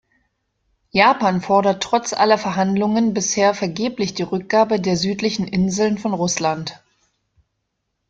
Japan fordert trotz aller Verhandlungen bisher vergeblich die Rückgabe der südlichen Inseln von Russland.